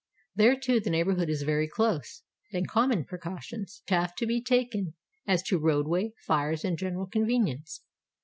There, too, the neighborhood is very close, and common precautions have to be taken as to roadway, fires, and general convenience.